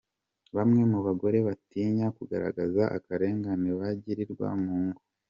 Bamwe mu bagore batinya kugaragaza akarengane bagirirwa mu ngo